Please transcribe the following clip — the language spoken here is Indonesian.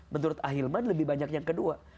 menurut ahilman lebih banyak yang kedua